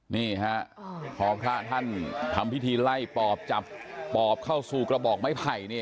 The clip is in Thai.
นี่ฮะพอพระท่านทำพิธีไล่ปอบจับปอบเข้าสู่กระบอกไม้ไผ่เนี่ย